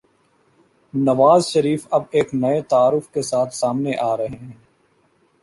نوازشریف اب ایک نئے تعارف کے ساتھ سامنے آرہے ہیں۔